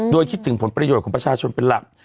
โดยคิดถึงผลประโยชน์ของประชาชนเป็นหลัก